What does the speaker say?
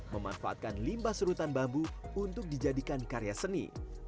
memanfaatkan limbah serutan bambu untuk dijadikan karya seni